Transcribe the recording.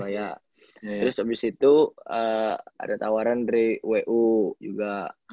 terus abis itu ada tawaran dari wu juga